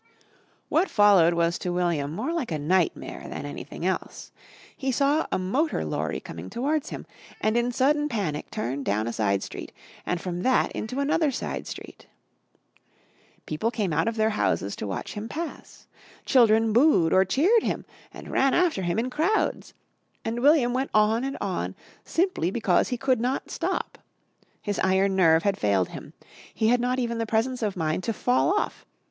What followed was to William more like a nightmare than anything else. He saw a motor lorry coming towards him and in sudden panic turned down a side street and from that into another side street. People came out of their houses to watch him pass. Children booed or cheered him and ran after him in crowds. And William went on and on simply because he could not stop. His iron nerve had failed him. He had not even the presence of mind to fall off.